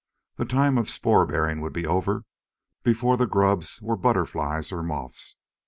The time of spore bearing would be over before the grubs were butterflies or moths.